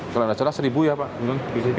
kalau tidak salah seribu ya pak